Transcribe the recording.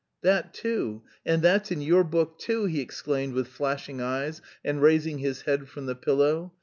'" "That too... and that's in your book too!" he exclaimed, with flashing eyes and raising his head from the pillow.